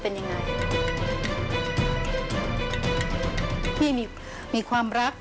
สวัสดีครับ